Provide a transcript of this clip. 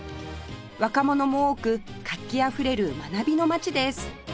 若者も多く活気あふれる学びの街です